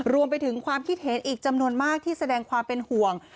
รวมไปถึงความคิดเห็นอีกจำนวนมากที่แสดงความเป็นห่วง